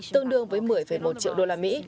tương đương với một mươi một triệu đô la mỹ